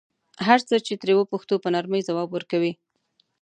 هر څه چې ترې وپوښتو په نرمۍ ځواب ورکوي.